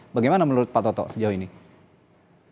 bagaimana menurut pak toto sejauh ini